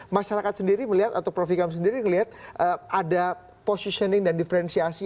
masyarakat sendiri melihat atau prof ikam sendiri melihat ada positioning dan diferensiasi